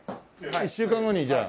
１週間後にじゃあ。